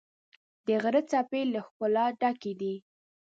د غره څپې له ښکلا ډکې دي.